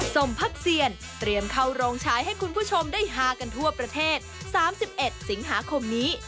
สมพักเซียนเตรียมเข้าโรงฉายให้คุณผู้ชมได้ฮากันทั่วประเทศ๓๑สิงหาคมนี้